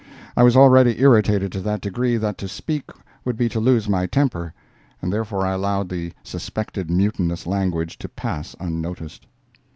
I was already irritated to that degree that to speak would be to lose my temper, and therefore I allowed the suspected mutinous language to pass unnoticed.